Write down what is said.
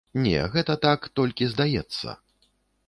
Не, гэта так, толькі здаецца.